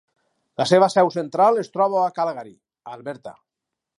La seva seu central es troba a Calgary, Alberta.